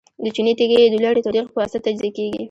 د چونې تیږې د لوړې تودوخې په واسطه تجزیه کیږي.